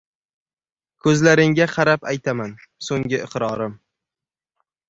Ko‘zlaringga qarab aytaman, so‘nggi iqrorim –